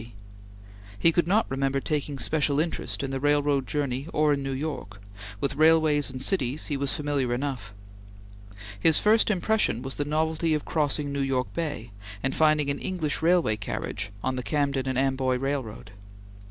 He could not remember taking special interest in the railroad journey or in New York; with railways and cities he was familiar enough. His first impression was the novelty of crossing New York Bay and finding an English railway carriage on the Camden and Amboy Railroad.